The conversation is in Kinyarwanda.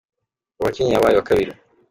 Uwa Kenya yabaye uwa kabiri.